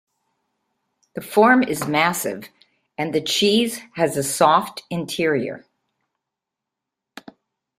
The form is massive, and the cheese has a soft interior.